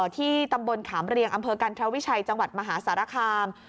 ที่ตำบลขามเรียงอำเภอกันทวิชัยจังหวัดมหาสารคาม